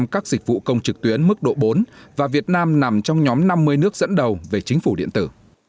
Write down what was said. các dịch vụ công trực tuyến mức độ bốn và việt nam nằm trong nhóm năm mươi nước dẫn đầu về chính phủ điện tử